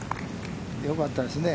よかったですね。